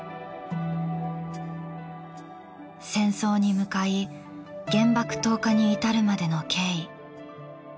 戦争に向かい原爆投下に至るまでの経緯。